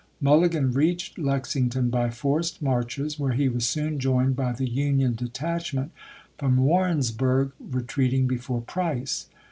Mulligan reached Lexington by forced marches, where he was soon joined by the Union detachment from Warren sburg retreat ing before Price.